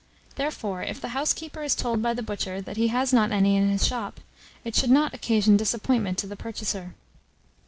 Therefore, if the housekeeper is told by the butcher that he has not any in his shop, it should not occasion disappointment to the purchaser.